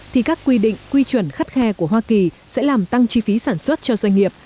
thì các quy định quy chuẩn khắt khe của hoa kỳ sẽ làm tăng chi phí sản xuất cho doanh nghiệp